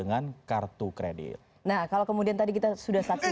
nah kalau kemudian tadi kita sudah saksikan